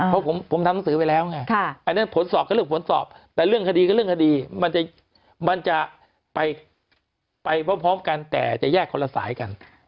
เพราะผมทำหนังสือไปแล้วไงอันนั้นผลสอบก็เรื่องผลสอบแต่เรื่องคดีก็เรื่องคดีมันจะไปพร้อมกันแต่จะแยกคนละสายกัน